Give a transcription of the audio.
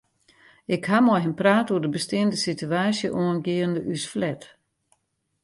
Ik ha mei him praat oer de besteande sitewaasje oangeande ús flat.